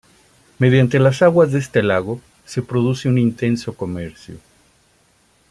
Mediante las aguas de este lago se produce un intenso comercio.